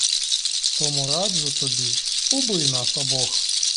Тому раджу тобі — убий нас обох!